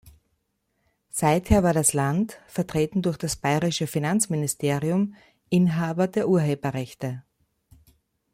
Seither war das Land, vertreten durch das Bayerische Finanzministerium, Inhaber der Urheberrechte.